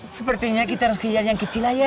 sepertinya kita harus kelihatan yang kecil aja